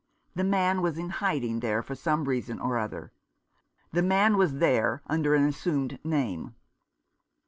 The man was in hiding there for some reason or other. The man was there under an assumed name.